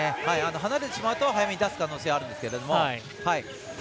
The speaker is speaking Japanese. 離れてしまうと早めに出す可能性もありますけれども。